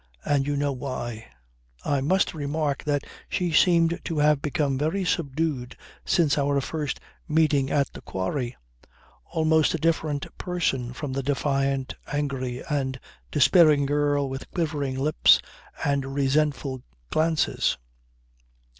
And you know why." I must remark that she seemed to have become very subdued since our first meeting at the quarry. Almost a different person from the defiant, angry and despairing girl with quivering lips and resentful glances.